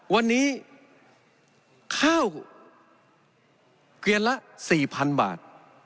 วันนี้ข้าวเกลียนละ๔๐๐๐บาท